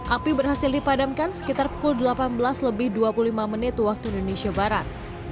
api berhasil dipadamkan sekitar pukul delapan belas lebih dua puluh lima menit waktu indonesia barat